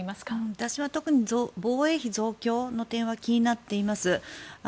私は特に防衛費増強の点は気になっています。